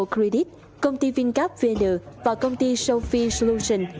credit công ty vincap vn và công ty sophie solutions